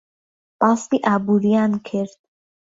باسی ئابووریان کرد.